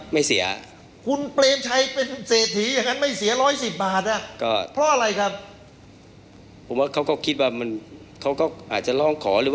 มีการที่จะพยายามติดศิลป์บ่นเจ้าพระงานนะครับ